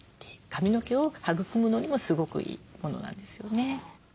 髪の毛を育むのにもすごくいいものなんですよね。